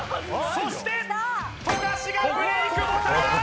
そして富樫がブレイクボタン